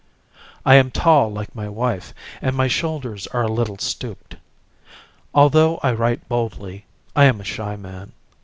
I am tall like my wife and my shoulders are a little stooped. Although I write boldly I am a shy man.